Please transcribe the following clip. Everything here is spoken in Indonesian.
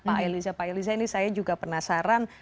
pak eliza pak elisa ini saya juga penasaran